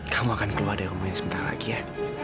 kamu akan keluar dari rumah ini sebentar lagi ya